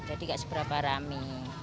jadi gak seberapa rame